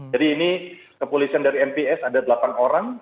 jadi ini kepolisian dari nps ada delapan orang